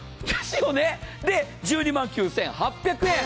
で、１２万９８００円。